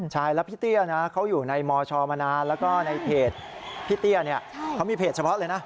ใช่แล้วพี่เตี้ยนะเขาอยู่ในมชมานานแล้วก็ในเพจพี่เตี้ยเนี่ยเขามีเพจเฉพาะเลยนะ